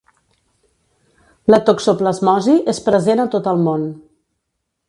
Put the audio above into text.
La toxoplasmosi és present a tot el món.